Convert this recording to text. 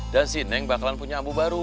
dan sindang bakalan punya abu baru